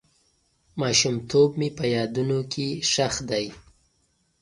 ماشومتوب مې په یادونو کې ښخ دی.